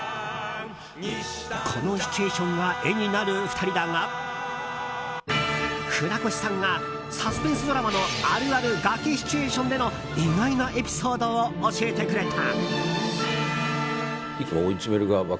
このシチュエーションが絵になる２人だが船越さんがサスペンスドラマのあるある崖シチュエーションでの意外なエピソードを教えてくれた。